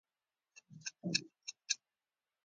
ناجیه وویل چې حشمتي به اوس د هغې درملنه کوي